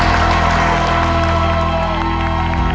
จริงหรอ